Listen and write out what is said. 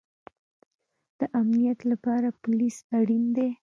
د امنیت لپاره پولیس اړین دی